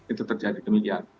itu terjadi kemudian